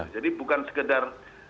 jadi bukan sekedar